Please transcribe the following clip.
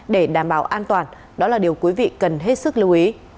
để đảm bảo an toàn đó là điều quý vị cần hết sức lưu ý